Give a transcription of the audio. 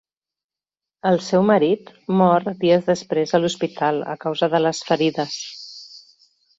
El seu marit mor dies després a l’hospital a causa de les ferides.